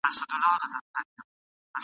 او پر زړه یې د شیطان سیوری را خپور سي !.